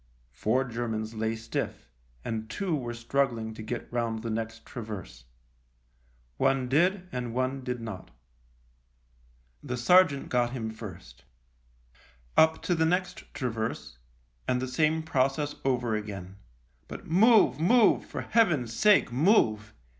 Four Germans lay stiff, and two were struggling to get round the next traverse. One did and one did not. The sergeant got him first. Up to the next traverse, and the same process over again ; but " Move, move, for Heaven's sake move